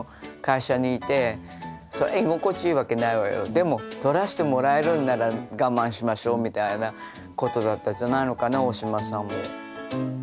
でも撮らしてもらえるんなら我慢しましょうみたいなことだったんじゃないのかな大島さんも。